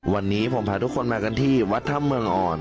วันนี้ผมพาทุกคนมากันที่วัดถ้ำเมืองอ่อน